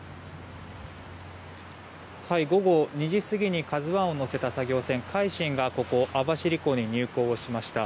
午後２時過ぎに「ＫＡＺＵ１」を乗せた作業船「海進」がここ網走港に入港しました。